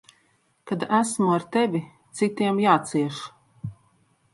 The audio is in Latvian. Kad esmu ar tevi, citiem jācieš.